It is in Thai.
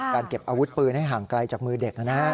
การเก็บอาวุธปืนให้ห่างไกลจากมือเด็กนะ